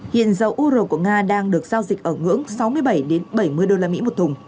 hiện dầu uro của nga đang được giao dịch ở ngưỡng sáu mươi bảy bảy mươi đô la mỹ một thùng